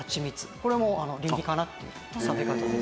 これも理にかなっている食べ方です。